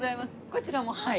こちらもはい。